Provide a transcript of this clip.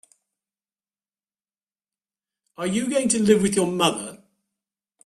Are you going to live with your mother?